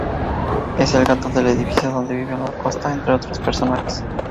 Es el gato del edificio donde viven los Costa, ente otros personajes.